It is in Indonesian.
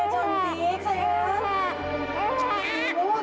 jadi sakit sakit sakit